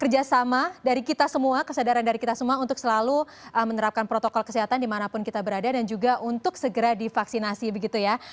kerjasama dari kita semua kesadaran dari kita semua untuk selalu menerapkan protokol kesehatan dimanapun kita berada dan juga untuk segera divaksinasi begitu ya